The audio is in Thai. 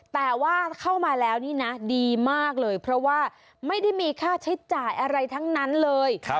แต่ว่าเข้ามาแล้วนี่นะดีมากเลยเพราะว่าไม่ได้มีค่าใช้จ่ายอะไรทั้งนั้นเลย